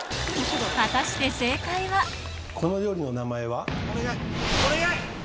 ⁉果たしてこの料理の名前は。